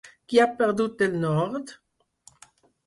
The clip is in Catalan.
Qui ha perdut el nord?